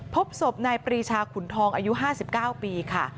พบศพนายปรีชาขุนทองอายุ๕๙ปีค่ะ